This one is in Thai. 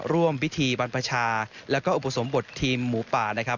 ร่วมวิธีปราชาและก็อุปสรรพ์บททีมหมู่ป่า